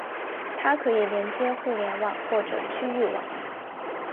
它可以连接互联网或者局域网。